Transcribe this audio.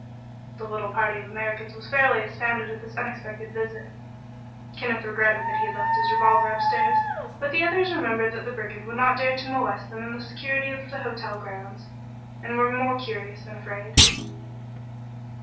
The little party of Americans was fairly astounded by this unexpected visit. Kenneth regretted that he had left his revolver upstairs, but the others remembered that the brigand would not dare to molest them in the security of the hotel grounds, and were more curious than afraid.